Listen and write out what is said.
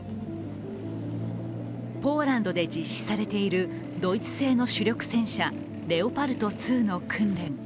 ポーランドで実施されているドイツ製の主力戦車、レオパルト２の訓練。